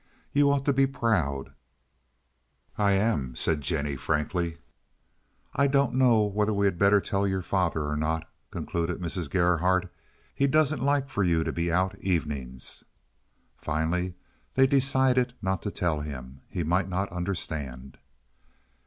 You ought to be proud." "I am," said Jennie frankly. "I don't know whether we had better tell your father or not," concluded Mrs. Gerhardt. "He doesn't like for you to be out evenings." Finally they decided not to tell him. He might not understand.